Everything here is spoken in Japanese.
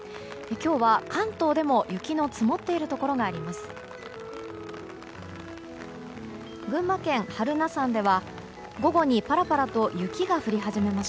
今日は関東でも、雪の積もっているところがあります。